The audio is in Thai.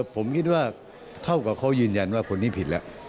ผมคิดว่าเท่ากับเขายืนยันว่าคนนี้ผิดแล้ว